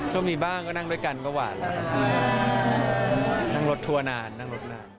ก็มีบ้างก็นั่งด้วยกันก็หวานนั่งรถทัวร์นานนั่งรถนาน